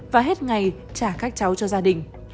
và hết ngày trả các cháu cho gia đình